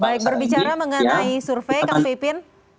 baik berbicara mengenai survei kang pipin